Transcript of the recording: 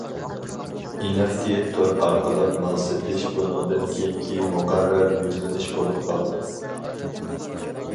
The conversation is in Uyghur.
ئېنىقكى، تور ئارقىلىق مال سېتىش بۇنىڭدىن كېيىنكى مۇقەررەر يۈزلىنىش بولۇپ قالىدۇ.